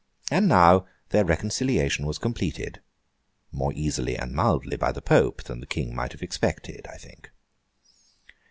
And now, their reconciliation was completed—more easily and mildly by the Pope, than the King might have expected, I think.